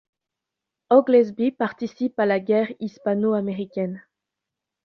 Oglesby participe à la guerre hispano-américaine.